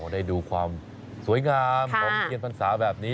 ได้ดูความสวยงามของเทียนพรรษาแบบนี้